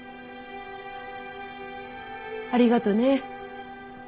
ありがとうね。